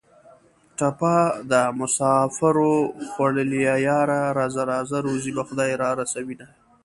ټپه ده: مسافرو خوړلیه یاره راځه راځه روزي به خدای را رسوینه